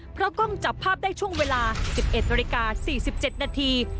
เพราะกล้องจับภาพได้ช่วงเวลาสิบเอ็ดนาฬิกาสี่สิบเจ็ดนาที